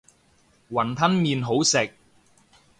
雲吞麵好食